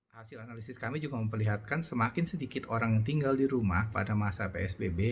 hasil analisis kami juga memperlihatkan semakin sedikit orang yang tinggal di rumah pada masa psbb